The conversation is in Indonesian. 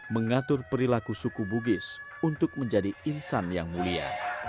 mengatur perilaku suku bugis untuk menjadi insan yang mulia